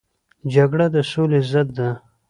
جګړه د سولې ضد ده